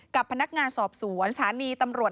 กับพนักงานสอบสวนสถานีตำรวจ